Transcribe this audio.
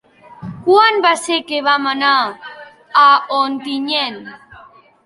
Quan va ser que vam anar a Ontinyent?